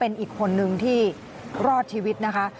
เป็นอีกคนนึงที่รอดชีวิตนะคะ